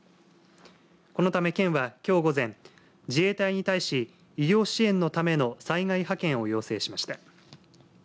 このため県は、きょう午前自衛隊に対し医療支援のための災害派遣を要請しました。